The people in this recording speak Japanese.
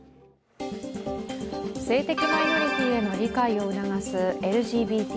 性的マイノリティーへの理解を促すＬＧＢＴ